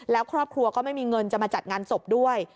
แล้วครอบครัวก็ไม่มีเงินจะมาจัดงานศพด้วย